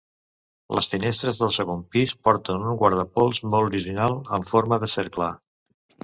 Les finestres del segon pis porten un guardapols molt original, en forma de cercle.